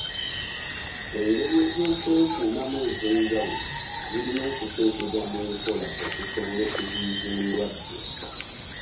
Engeri ez'okwekuumamu ez'enjawulo zirina okuteekebwa mu nkola okusobola okuziyiza endwadde.